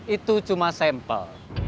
itu cuma sampel